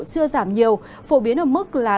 chưa giảm nhiều phổ biến ở mức là